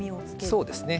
そうですね